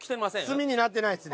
「済」になってないっすね。